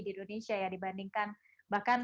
di indonesia ya dibandingkan bahkan